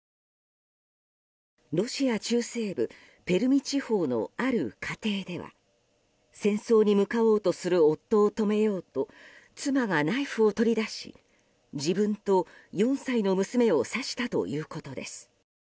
ロシア中西部ペルミ地方のある家庭では戦争に向かおうとする夫を止めようと妻がナイフを取り出し自分と４歳の娘を刺したということです。